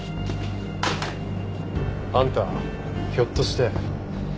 あんたひょっとして。